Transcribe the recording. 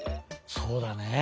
そうだね。